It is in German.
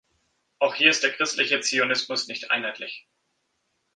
Auch hier ist der christliche Zionismus nicht einheitlich.